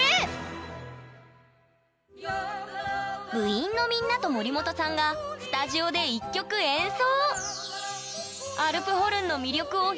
部員のみんなと森本さんがスタジオで１曲演奏！